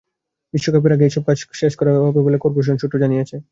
বিশ্বকাপের আগেই এসব কাজ শেষ করা হবে বলে করপোরেশন সূত্র জানিয়েছে।